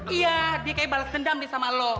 iya dia kayak balas dendam nih sama lo